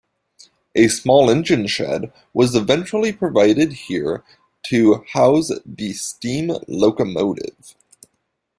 A small engine shed was eventually provided here to house the steam locomotive.